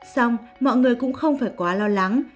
xong mọi người cũng không phải quá lo lắng